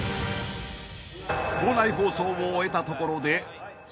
［校内放送を終えたところで作戦会議］